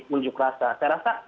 unjuk rasa saya rasa